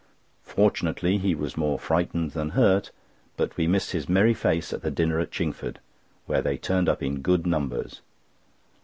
Fortunately he was more frightened than hurt, but we missed his merry face at the dinner at Chingford, where they turned up in good numbers.